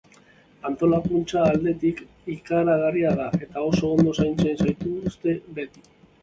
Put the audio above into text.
Antolakuntza aldetik ikaragarria da, eta oso ondo zaintzen zaituzte beti.